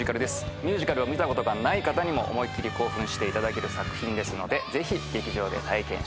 ミュージカルを見たことがない方にも思いっきり興奮していただける作品ですのでぜひ劇場で体験してください。